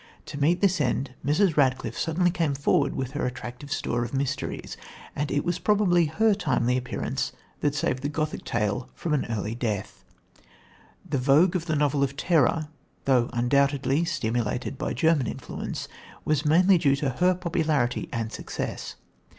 To meet this end Mrs. Radcliffe suddenly came forward with her attractive store of mysteries, and it was probably her timely appearance that saved the Gothic tale from an early death. The vogue of the novel of terror, though undoubtedly stimulated by German influence, was mainly due to her popularity and success.